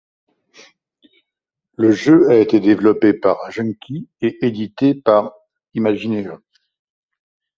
Le jeu a été développé par Genki et édité par Imagineer.